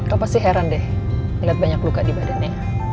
kamu pasti heran deh melihat banyak luka di badannya